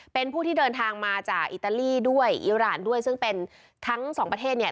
เป็นผู้ที่เดินทางมาจากอิตาลีด้วยอิราณด้วยซึ่งเป็นทั้งสองประเทศเนี่ย